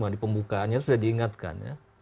di pembukaannya sudah diingatkan ya